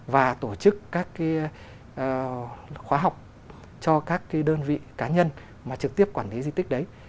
và tổ chức các khóa học cho các cái đơn vị cá nhân mà trực tiếp quản lý di tích đấy